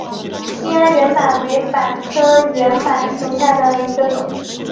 兴安圆柏为柏科圆柏属下的一个种。